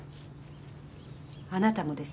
あなたもです。